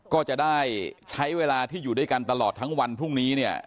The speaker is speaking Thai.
ก็จะได้ใช้เวลาที่อยู่ด้วยกันตลอดทั้งวันพรุ่งนี้เนี่ย